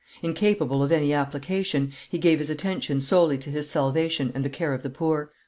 Incapable of any application, he gave his attention solely to his salvation and the care of the poor.